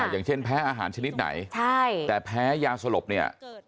อย่างเช่นแพ้อาหารชนิดไหนแต่แพ้ยาสลบเนี่ย